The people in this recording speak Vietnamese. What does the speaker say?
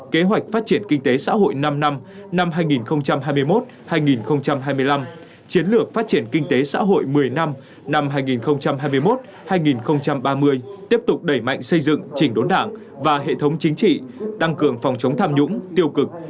kế hoạch phát triển kinh tế xã hội năm năm năm năm hai nghìn hai mươi một hai nghìn hai mươi năm chiến lược phát triển kinh tế xã hội một mươi năm năm hai nghìn hai mươi một hai nghìn ba mươi tiếp tục đẩy mạnh xây dựng chỉnh đốn đảng và hệ thống chính trị tăng cường phòng chống tham nhũng tiêu cực